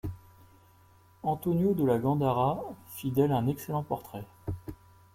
Antonio de La Gandara fit d'elle un excellent portrait.